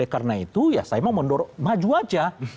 karena itu ya saya mau mendorong maju aja